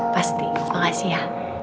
pasti makasih ya